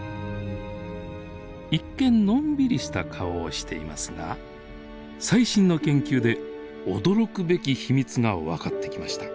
一見のんびりした顔をしていますが最新の研究で驚くべき秘密が分かってきました。